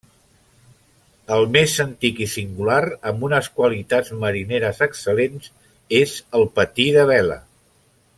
El més antic i singular, amb unes qualitats marineres excel·lents, és el patí de vela.